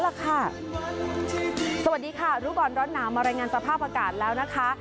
สวัสดีค่ะรู้ก่อนร้อนหนาวมารายงานสภาพอากาศแล้วนะคะ